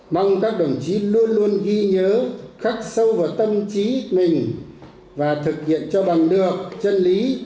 mong các đồng chí luôn luôn ghi nhớ khắc sâu vào tâm trí mình và thực hiện cho bằng được chân lý